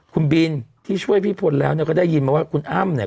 คุณบินที่ช่วยพี่พลแล้วเนี่ยก็ได้ยินมาว่าคุณอ้ำเนี่ย